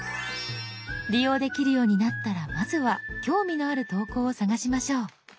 利用できるようになったらまずは興味のある投稿を探しましょう。